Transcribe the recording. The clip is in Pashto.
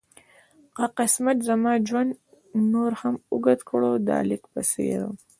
که قسمت زما ژوند نور هم اوږد کړ دا لیک به څېرم.